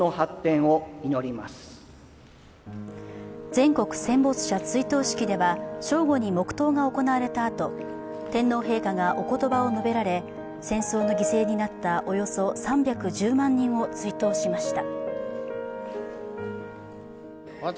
全国戦没者追悼式では正午に黙とうが行われたあと、天皇陛下がおことばを述べられ戦争の犠牲になったおよそ３１０万人を追悼しました。